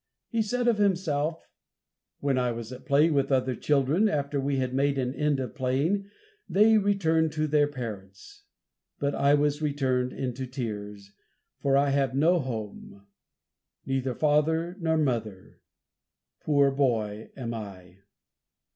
He said of himself, "When I was at play with other children, after we had made an end of playing, they return to their parents: but I was returned into tears, for I have no home, neither father nor mother. Poor boy am I."